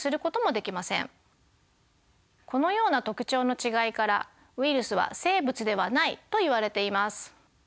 このような特徴の違いからウイルスは生物ではないといわれています。